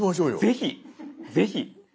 ぜひぜひ。